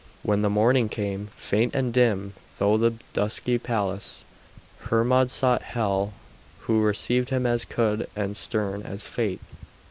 When the morning came, faint and dim, through the dusky palace, Hermod sought Hel, who received him as cold and stern as fate.